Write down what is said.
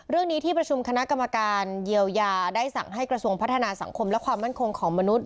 เรื่องนี้ที่ประชุมคณะกรรมการเยียวยาได้สั่งให้กระทรวงพัฒนาสังคมและความมั่นคงของมนุษย